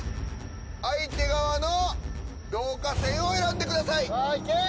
相手側の導火線を選んでくださいさあいけー！